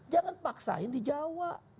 jangan paksain di jawa